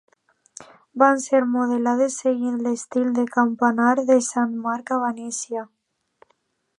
Van ser modelades seguint l'estil del campanar de Sant Marc a Venècia.